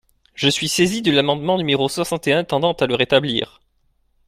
Je suis saisi de l’amendement numéro soixante et un tendant à le rétablir.